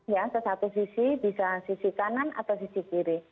ya sesatu sisi bisa sisi kanan atau sisi kiri